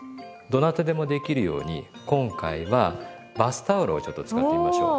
どなたでもできるように今回はバスタオルをちょっと使ってみましょう。